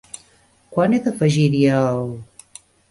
Quan he d'afegir-hi el...?